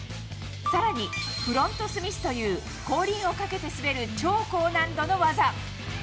さらにフロントスミスという後輪をかけて滑る、超高難度の技。